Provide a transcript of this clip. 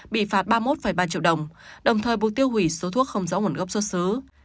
bị phạt ba mươi một ba triệu đồng đồng thời buộc tiêu hủy số thuốc không rõ nguồn gốc xuất xứ